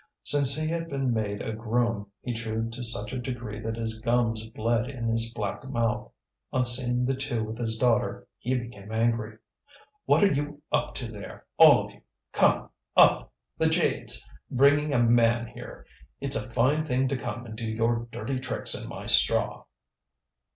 Since he had been made a groom, he chewed to such a degree that his gums bled in his black mouth. On seeing the two with his daughter, he became angry. "What are you up to there, all of you? Come! up! The jades, bringing a man here! It's a fine thing to come and do your dirty tricks in my straw."